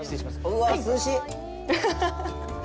うわあ、涼しい。